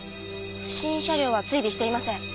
不審車両は追尾していません。